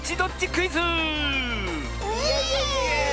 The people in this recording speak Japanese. イエーイ！